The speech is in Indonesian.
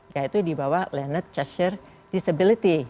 yaitu di bawah leonard cheshire disability